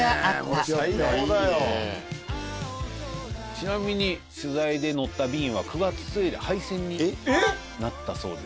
ちなみに取材で乗った便は９月末で廃線になったそうです。